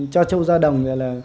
cho trâu ra đồng